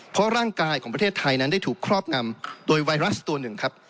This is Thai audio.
เพราะร่างกายของประเทศไทยนั้นได้ถูกครอบงำโดยไวรัสตัวหนึ่งครับ